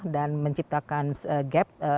dan menciptakan gap